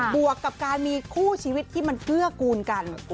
วกกับการมีคู่ชีวิตที่มันเกื้อกูลกัน